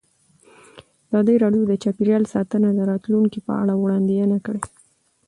ازادي راډیو د چاپیریال ساتنه د راتلونکې په اړه وړاندوینې کړې.